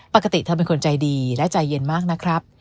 ปกติเธอเป็นคนใจดีและใจเย็นมากนะครับ